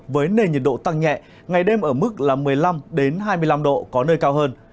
với nền nhiệt độ tăng nhẹ ngày đêm ở mức một mươi năm hai mươi năm độ có nơi cao hơn